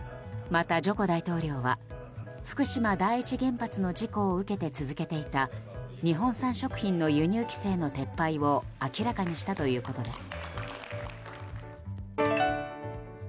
また、ジョコ大統領は福島第一原発の事故を受けて続けていた日本産食品の輸入規制の撤廃を明らかにしたということです。